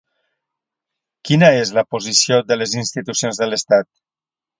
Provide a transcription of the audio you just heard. Quina és la posició de les institucions de l'estat?